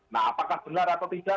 nah apakah benar atau tidak